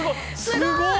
すごい！